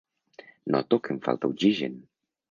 Noto que em falta oxigen.